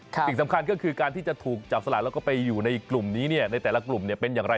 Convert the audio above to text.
สิ่งสำคัญก็คือการที่จะถูกจับสลากแล้วก็ไปอยู่ในกลุ่มนี้ในแต่ละกลุ่มเป็นอย่างไร